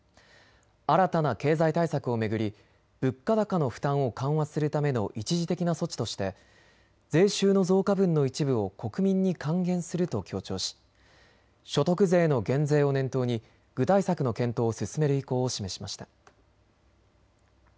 新たな経済対策を巡り物価高の負担を緩和するための一時的な措置として税収の増加分の一部を国民に還元すると強調し所得税の減税を念頭に具体策の検討を進める意向を示しました。